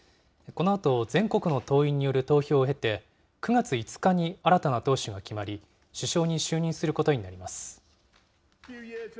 このあと、全国の党員による投票を経て、９月５日に新たな党首が決まり、首相に就任することになります。